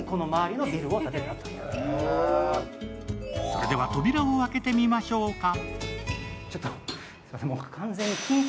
それでは扉を開けてみましょうか。